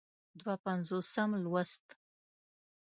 دوه پينځوسم لوست